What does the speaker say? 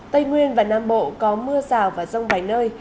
tây nguyên và nam bộ có mưa rào và rông vài nơi